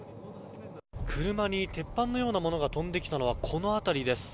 車に鉄板のようなものが飛んできたのはこの辺りです。